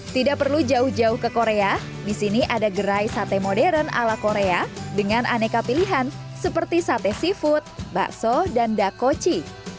tidak perlu jauh jauh ke korea di sini ada gerai sate modern ala korea dengan aneka pilihan seperti sate seafood bakso dan dakochi